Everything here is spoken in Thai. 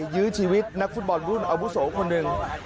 ยื้อชีวิตนักฟุตบอลรุ่นอาวุโสคนหนึ่ง